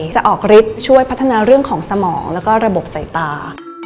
จะออกฤทธิ์ช่วยพัฒนาเรื่องของสมองแล้วก็ระบบใส่ตา